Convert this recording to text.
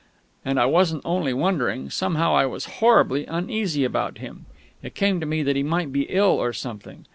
And I wasn't only wondering; somehow I was horribly uneasy about him. It came to me that he might be ill or something.